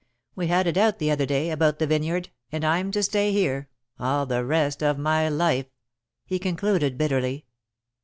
We had it out the other day, about the vineyard, and I'm to stay here all the rest of my life," he concluded bitterly.